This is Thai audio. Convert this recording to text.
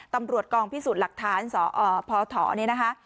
ตำรวจกองพิสูจน์หลักฐานสพเนี่ยนะคะ